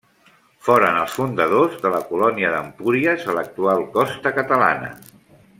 Foren els fundadors de la colònia d'Empúries a l'actual costa catalana.